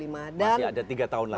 masih ada tiga tahun lagi